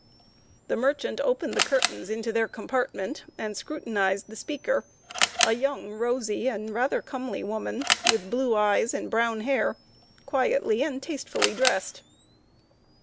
The merchant opened the curtains into their compartment, and scrutinized the speaker a young, rosy, and rather comely woman, with blue eyes and brown hair, quietly and tastefully dressed.